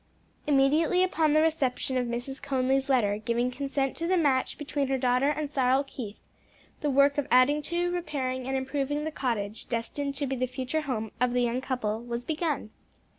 Immediately upon the reception of Mrs. Conly's letter giving consent to the match between her daughter and Cyril Keith, the work of adding to, repairing and improving the cottage destined to be the future home of the young couple was begun.